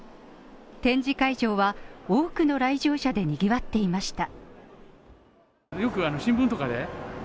展示会場は多くの来場者で賑わっていました。